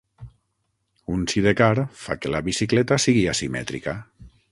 Un sidecar fa que la bicicleta sigui asimètrica.